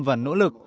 và nỗ lực